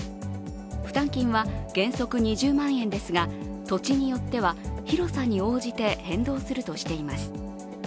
負担金は原則２０万円ですが、土地によっては広さに応じて変動するとしています。